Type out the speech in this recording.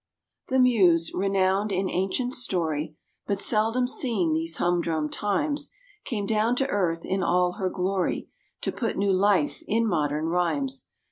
The Muse, renowned in ancient story, But seldom seen these humdrum times, Came down to earth, in all her glory, To put new life in modern rhymes.